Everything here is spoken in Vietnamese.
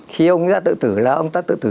khi ông ấy đã tự tử là ông ta tự tử